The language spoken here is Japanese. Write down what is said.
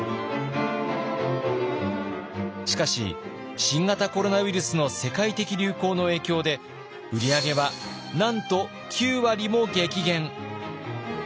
しかし新型コロナウイルスの世界的流行の影響で売り上げはなんと９割も激減。